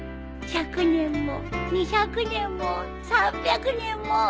１００年も２００年も３００年も。